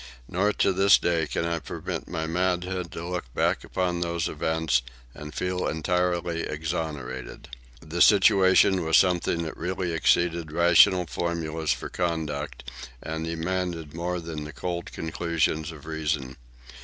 Nor, to this day can I permit my manhood to look back upon those events and feel entirely exonerated. The situation was something that really exceeded rational formulas for conduct and demanded more than the cold conclusions of reason.